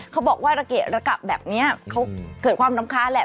เขาบอกว่าระเกะระกะแบบนี้เขาเกิดความรำคาญแหละ